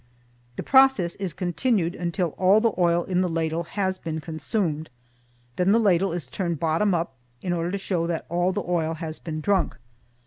The process is continued until all the oil in the ladle has been consumed; then the ladle is turned bottom up, in order to show that all the oil has been drunk.